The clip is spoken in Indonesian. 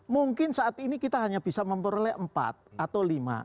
mungkin saat ini kita hanya bisa memperoleh empat atau lima